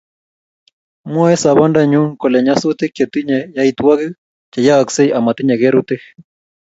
Mwae sobondondanyu kole nyasutik che tinye yaitwakik che yayaksei amatinye kerutik